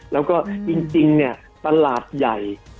แล้วก็จริงเนี่ยตลาดใหญ่